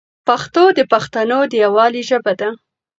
پښتو د پښتنو د یووالي ژبه ده.